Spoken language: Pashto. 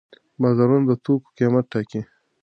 بازارونه د توکو قیمت ټاکي.